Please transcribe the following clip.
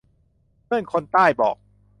เพื่อนคนใต้บอก